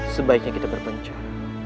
sebaiknya kita berpencur